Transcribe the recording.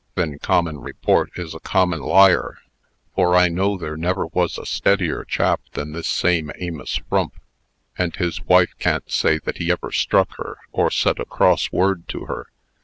"Then common report is a common liar; for I know there never was a steadier chap than this same Amos Frump; and his wife can't say that he ever struck her, or said a cross word to her.